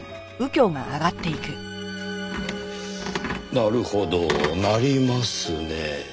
なるほど鳴りますねぇ。